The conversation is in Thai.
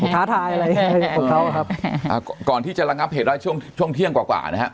ท้าทายอะไรของเขาครับอ่าก่อนที่จะระงับเหตุได้ช่วงช่วงเที่ยงกว่ากว่านะฮะ